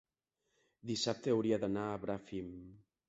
dissabte hauria d'anar a Bràfim.